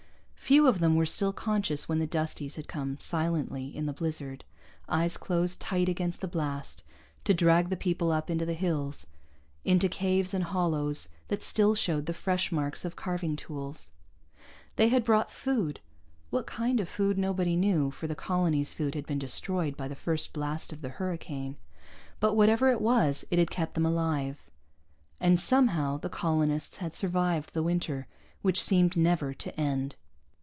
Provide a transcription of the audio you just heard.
Few of them were still conscious when the Dusties had come silently, in the blizzard, eyes closed tight against the blast, to drag the people up into the hills, into caves and hollows that still showed the fresh marks of carving tools. They had brought food what kind of food nobody knew, for the colony's food had been destroyed by the first blast of the hurricane but whatever it was it had kept them alive. And somehow, the colonists had survived the winter which seemed never to end.